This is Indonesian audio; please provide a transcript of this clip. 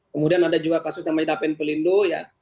kemudian ada juga kasus namanya dapen pelindung